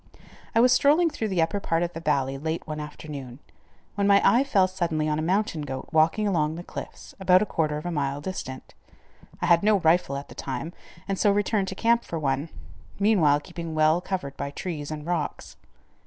I was strolling through the upper part of the valley late one afternoon, when my eye fell suddenly on a mountain goat walking along the cliffs about a quarter of a mile distant. I had no rifle at the time and so returned to camp for one, meanwhile keeping well covered by trees and rocks.